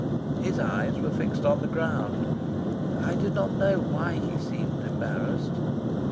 His eyes were fixed on the ground. I did not know why he seemed embarrassed.